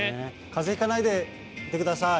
かぜひかないでいてください。